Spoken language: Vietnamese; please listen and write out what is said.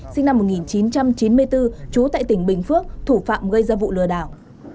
sinh năm một nghìn chín trăm chín mươi bốn trú tại tỉnh bình phước thủ phạm gây ra vụ lừa đảo